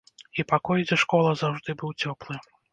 І пакой, дзе школа, заўжды быў цёплы.